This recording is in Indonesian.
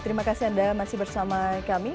terima kasih anda masih bersama kami